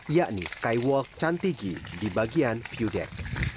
yakni skywalk cantigi di bagian view deck